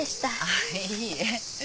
あっいいえ。